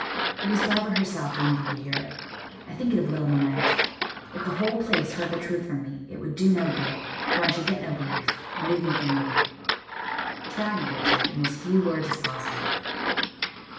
"It was Barbara herself wanted you to hear it. I think it of little moment. If the whole place heard the truth from me, it would do no good, for I should get no belief not even from you." "Try me, Richard, in as few words as possible."